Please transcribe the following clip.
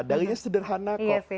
dalilnya sederhana kok